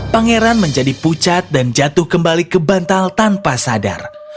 pangeran menjadi pucat dan jatuh kembali ke bantal tanpa sadar